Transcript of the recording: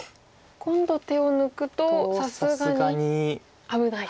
今度手を抜くとさすがに危ない。